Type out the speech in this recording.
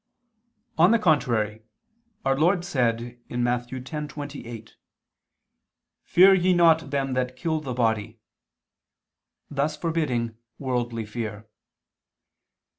On the contrary, Our Lord said (Matt. 10:28): "Fear ye not them that kill the body," thus forbidding worldly fear.